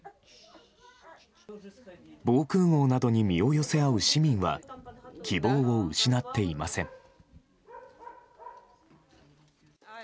防空壕などに身を寄せ合う市民は希望を失っていません。